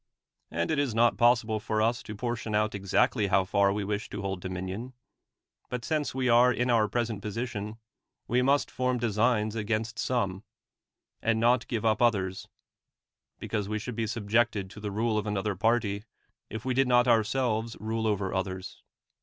And it is not possible for us to portion out exactly how far we wish to hold dominion ; 'lit since vre are in our present position, we must form designs against some, and not give up others; because we should be subjected to the rule of anoth(^r party, if we did not ourselves rule over others.